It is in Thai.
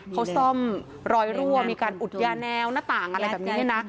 คอล์สตอมรอยรั่วมีการอุดยาแนวณต่างอะไรแบบนี้นะ